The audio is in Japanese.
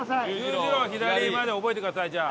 「十字路を左」まで覚えてくださいじゃあ。